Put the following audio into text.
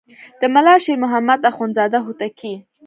د ملا شیر محمد اخوندزاده هوتکی.